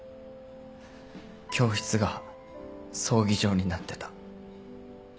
教室が葬儀場になってた。